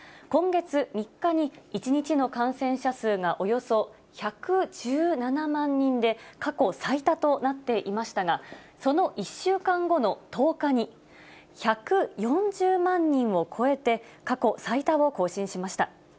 今月３日に１日の感染者数がおよそ１１７万人で、過去最多となっていましたが、その１週間後の１０日に、１４０万人を超えて、過去最多を更新しました。